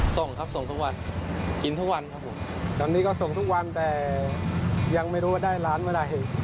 ส่งครับส่งทุกวันกินทุกวันครับผมตอนนี้ก็ส่งทุกวันแต่ยังไม่รู้ว่าได้ร้านเมื่อไหร่